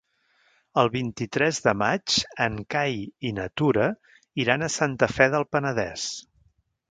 El vint-i-tres de maig en Cai i na Tura iran a Santa Fe del Penedès.